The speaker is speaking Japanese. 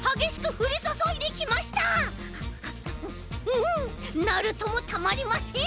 うんナルトもたまりません！